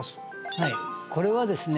はいこれはですね